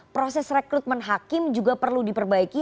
proses rekrutmen hakim juga perlu diperbaiki